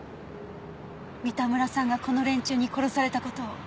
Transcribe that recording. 三田村さんがこの連中に殺された事を。